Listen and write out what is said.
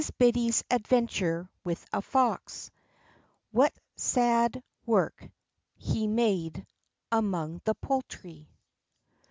BIDDY'S ADVENTURE WITH A FOX. — WHAT SAD WORK HE MADE AMONG THE POULTRY.